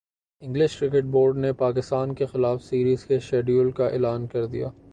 English cricket board نے پاکستان کیخلاف series کے شیڈول کا اعلان کر دیا